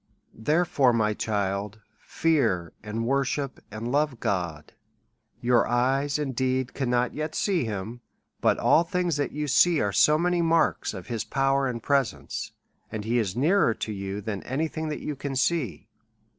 Therefore, my child, fear and worship, and love 240 A SERIOUS CALL TO A God. Your eyes indeed cannot yet see him, but every thing you see, are so many marks of his power and presence, and he is nearer to you than any thing that you can see.